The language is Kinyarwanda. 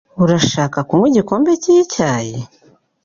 Urashaka kunywa igikombe cyicyayi?